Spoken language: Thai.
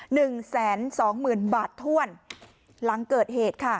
หนึ่งแสนสองหมื่นบาทถ้วนหลังเกิดเหตุค่ะ